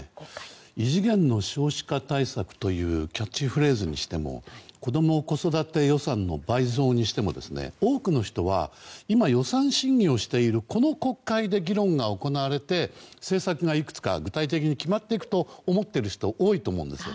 異次元の少子化対策というキャッチフレーズにしても子供・子育て予算の倍増にしても多くの人は今、予算審議をしているこの国会で議論が行われて政策がいくつか具体的に決まっていくと思っている人多いと思うんですよ。